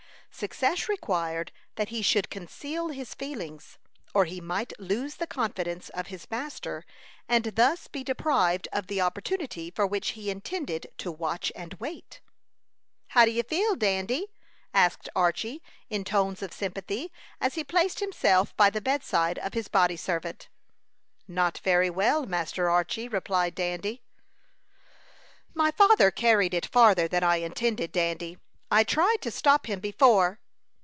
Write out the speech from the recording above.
Success required that he should conceal his feelings, or he might lose the confidence of his master, and thus be deprived of the opportunity for which he intended to watch and wait. "How do you feel, Dandy?" asked Archy, in tones of sympathy, as he placed himself by the bedside of his body servant. "Not very well, Master Archy," replied Dandy. "My father carried it farther than I intended, Dandy. I tried to stop him before."